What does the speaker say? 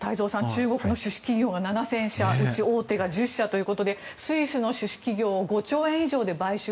中国の種子企業が７０００社うち大手が１０社ということでスイスの種子企業を５兆円以上で買収。